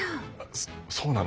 そそうなの？